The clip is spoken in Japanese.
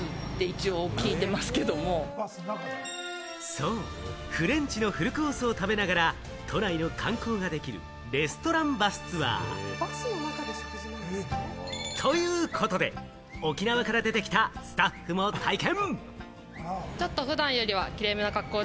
そう、フレンチのフルコースを食べながら、都内の観光ができるレストランバスツアー。ということで、沖縄から出てきたスタッフも体験。